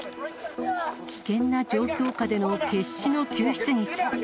危険な状況下での決死の救出劇。